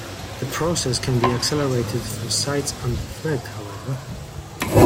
The process can be accelerated for sites under threat, however.